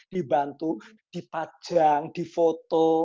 dibantu dipajang difoto